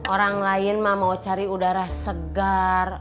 orang lain mah mau cari udara segar